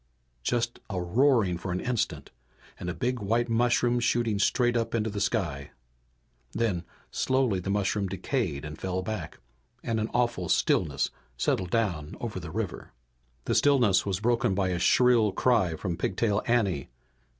Just a roaring for an instant and a big white mushroom shooting straight up into the sky. Then, slowly, the mushroom decayed and fell back, and an awful stillness settled down over the river. The stillness was broken by a shrill cry from Pigtail Anne.